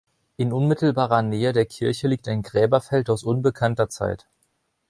In unmittelbarer Nähe der Kirche liegt ein Gräberfeld aus unbekannter Zeit.